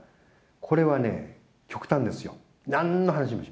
これは極端ですよ。